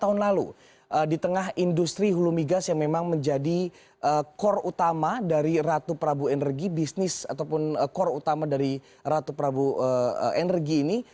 tahun lalu di tengah industri hulu migas yang memang menjadi core utama dari ratu prabu energi bisnis ataupun core utama dari ratu prabu energi ini